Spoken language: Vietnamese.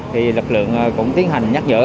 thì lực lượng cũng tiến hành nhắc nhở